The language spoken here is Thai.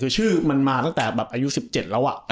คือชื่อมันมาตั้งแต่แบบอายุ๑๗แล้ว